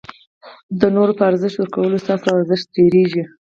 د نورو په ارزښت ورکولو ستاسي ارزښت ډېرېږي.